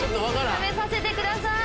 食べさせてください！